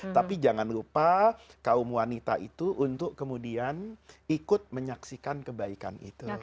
tapi jangan lupa kaum wanita itu untuk kemudian ikut menyaksikan kebaikan itu